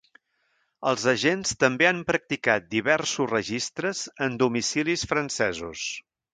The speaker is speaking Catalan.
Els agents també han practicat diversos registres en domicilis francesos.